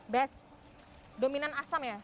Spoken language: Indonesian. best dominan asam ya